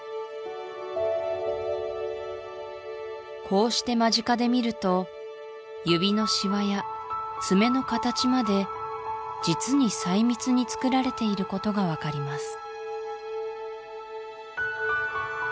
こうして間近で見ると指のしわや爪の形まで実に細密につくられていることが分かります